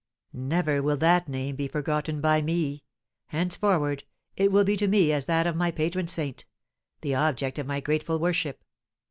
"Never will that name be forgotten by me! Henceforward it will be to me as that of my patron saint, the object of my grateful worship!